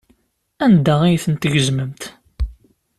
Anda ay ten-tgezmemt?